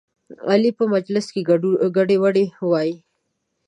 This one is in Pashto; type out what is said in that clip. علي په مجلس کې ګډې وډې وایي.